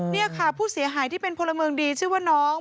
นี่ค่ะผู้เสียหายที่เป็นพลเมืองดีชื่อว่าน้อง